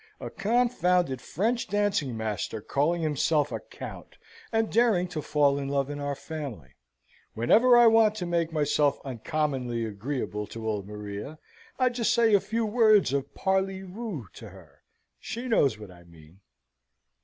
A confounded French dancing master calling himself a count, and daring to fall in love in our family! Whenever I want to make myself uncommonly agreeable to old Maria, I just say a few words of parly voo to her. She knows what I mean."